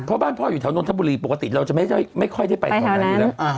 เพราะบ้านพ่ออยู่แถวนนทบุรีปกติเราจะไม่ค่อยได้ไปทำอะไรอยู่แล้ว